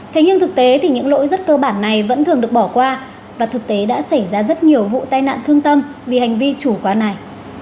thế nhưng thực tế thì những lỗi rất cơ bản này vẫn thường được bỏ qua và thực tế đã xảy ra rất nhiều vụ tai nạn thương tâm vì hành vi chủ quan này